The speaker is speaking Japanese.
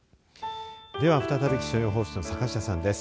では再び気象予報士の坂下さんです。